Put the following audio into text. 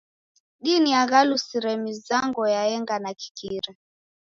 Dini yaghalusire mizango yaenga ya kikira.